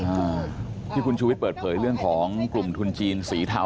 อ่าที่คุณชูวิทย์เปิดเผยเรื่องของกลุ่มทุนจีนสีเทา